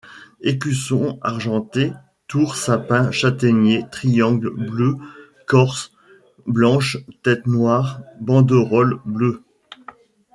Ecusson argenté tour sapin châtaignier triangle bleu Corse blanche tête noire banderole bleue.